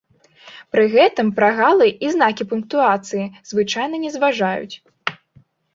Пры гэтым прагалы і знакі пунктуацыі звычайна не зважаюць.